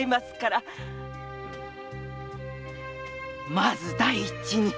まず第一に。